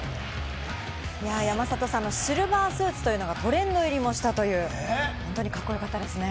山里さん、シルバースーツというのがトレンド入りしたという、本当にカッコよかったですね。